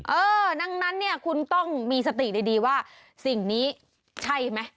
เออดังนั้นเนี่ยคุณต้องมีสติดีว่าสิ่งนี้ใช่ไหม